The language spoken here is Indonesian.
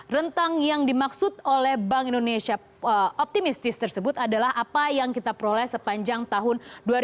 rentang yang dimaksud oleh bank indonesia optimistis tersebut adalah apa yang kita peroleh sepanjang tahun dua ribu dua puluh